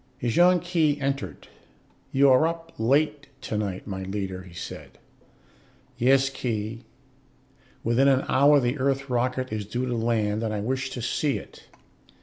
Ejon Khee entered. "You are up late tonight, my leader," he said. "Yes, Khee. Within an hour the Earth rocket is due to land, and I wish to see it.